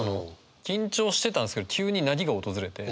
緊張してたんですけど急に凪が訪れて。